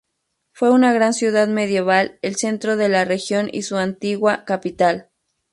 Fue una gran ciudad medieval, el centro de la región y su antigua capital.